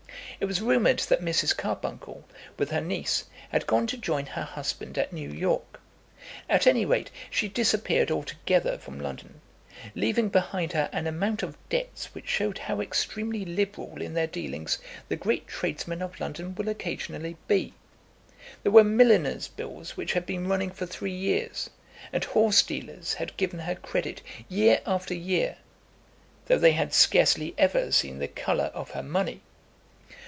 It was rumoured that Mrs. Carbuncle, with her niece, had gone to join her husband at New York. At any rate, she disappeared altogether from London, leaving behind her an amount of debts which showed how extremely liberal in their dealings the great tradesmen of London will occasionally be. There were milliners' bills which had been running for three years, and horse dealers had given her credit year after year, though they had scarcely ever seen the colour of her money.